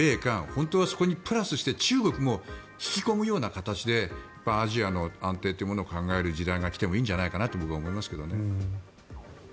本当はそこにプラスして中国も引き込むような形でアジアの安定というのを考える時代が来てもいいんじゃないかなと僕は思いますけどね。